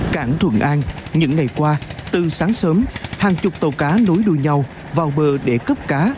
cảng thuận an những ngày qua từ sáng sớm hàng chục tàu cá nối đuôi nhau vào bờ để cấp cá